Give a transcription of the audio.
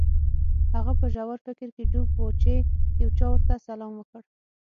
هغه په ژور فکر کې ډوب و چې یو چا ورته سلام وکړ